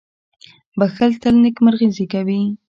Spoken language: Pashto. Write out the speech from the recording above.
• بښل تل نېکمرغي زېږوي.